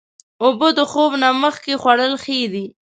اوبه د خوب نه مخکې خوړل ښې دي.